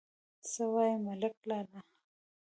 _څه وايې ملک لالا ؟